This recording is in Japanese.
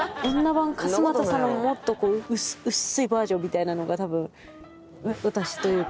版勝俣さんをもっとこう薄いバージョンみたいなのが多分私というか。